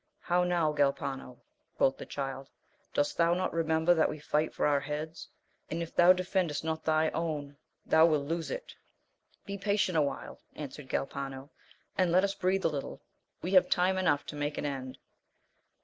How now Galpano ? quoth the Child, dost thou not remember that we fight for our heads, and if thou defendest not thy own thou wilt lose it ! Be patient awhile, answered Galpano, and let us breathe a little, we have time enough to make an, end.